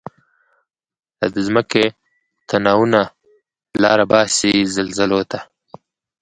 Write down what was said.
لا دځمکی تناوونه، لاره باسی زلزلوته